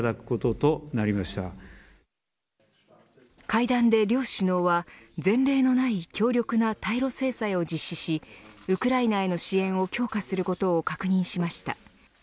会談で両首脳は前例のない強力な対露制裁を実施しウクライナへの支援を強化することを確認しました。